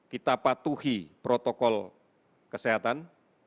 kita patuhi protokol kesehatan